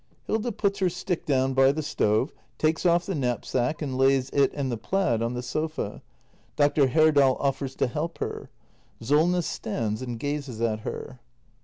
[Hilda puts her stick down by the stove, takes off the knapsack and lays it and the plaid on the sofa. Dr. Herdal offers to help her. Solness stands and gazes at her.